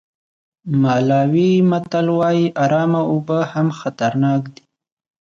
مالاوي متل وایي ارامه اوبه هم خطرناک دي.